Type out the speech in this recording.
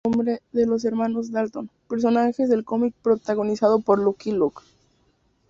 Toman su nombre de Los Hermanos Dalton, personajes del cómic protagonizado por Lucky Luke.